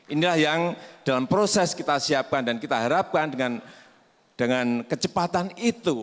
inilah yang dalam proses kita siapkan dan kita harapkan dengan kecepatan itu